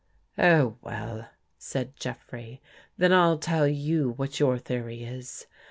" Oh, well," said Jeffrey, " then I'll tell you what your theory is.